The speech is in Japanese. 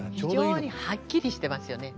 非常にはっきりしてますよね。